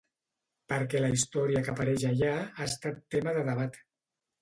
Per què la història que apareix allà ha estat tema de debat.